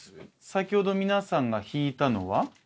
先ほど皆さんが引いたのは？